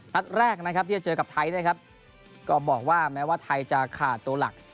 นัดแรกนะครับที่จะเจอกับไทยนะครับก็บอกว่าแม้ว่าไทยจะขาดตัวหลัก